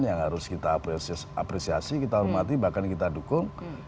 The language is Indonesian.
yang harus kita apresiasi kita hormati bahkan kita dukung